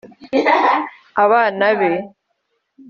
abana be